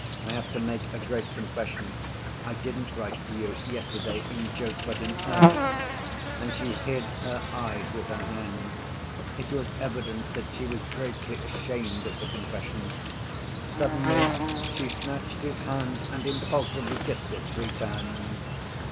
I have to make a great confession, I didn't write to you yesterday in joke, but in earnest," and she hid her eyes with her hand. It was evident that she was greatly ashamed of the confession. Suddenly she snatched his hand and impulsively kissed it three times.